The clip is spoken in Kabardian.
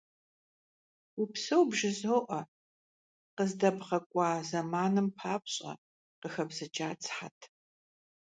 Упсэу бжызоӀэ, къыздэбгъэкӀуа зэманым папщӀэ, - къыхэбзыкӀат сыхьэтым.